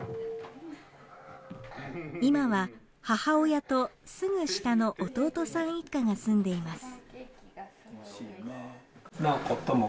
今は母親とすぐ下の弟さん一家が住んでいます。